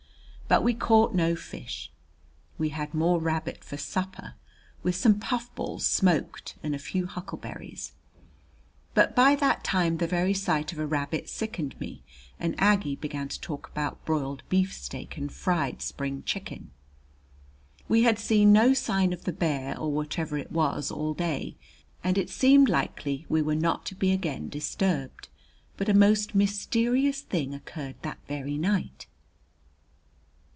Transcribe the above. But we caught no fish. We had more rabbit for supper, with some puffballs smoked and a few huckleberries. But by that time the very sight of a rabbit sickened me, and Aggie began to talk about broiled beefsteak and fried spring chicken. We had seen no sign of the bear, or whatever it was, all day, and it seemed likely we were not to be again disturbed. But a most mysterious thing occurred that very night.